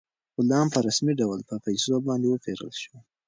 غلام په رسمي ډول په پیسو باندې وپېرل شو.